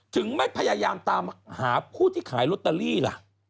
ไม่พยายามตามหาผู้ที่ขายลอตเตอรี่ล่ะ